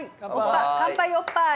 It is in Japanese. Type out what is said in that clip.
乾杯おっぱい！